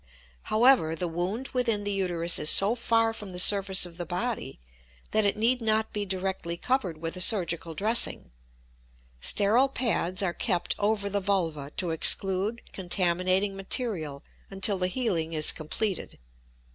However, the wound within the uterus is so far from the surface of the body that it need not be directly covered with a surgical dressing; sterile pads are kept over the vulva to exclude contaminating material until the healing is completed.